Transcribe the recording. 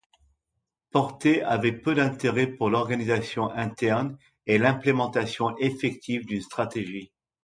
Porter avait peu d'intérêt pour l'organisation interne et l'implémentation effective d'une stratégie.